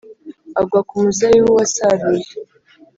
agwa ku mizabibu wasaruye